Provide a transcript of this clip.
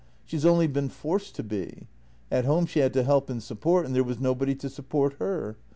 She's only been forced to be. At home she had to help and support, and there was nobody to support her.